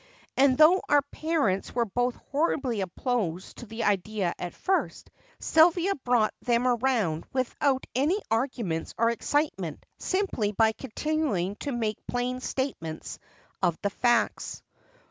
And though our parents were both horribly opposed to the idea at first, Sylvia brought them around without any arguments or excitement simply by continuing to make plain statements of the facts."